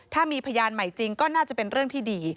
ถ้ามีพยานใหม่จริงก็น่าจะเป็นเรื่องที่ดี